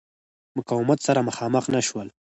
مقاومت سره مخامخ نه شول.